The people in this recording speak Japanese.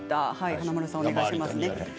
華丸さん、お願いしますね。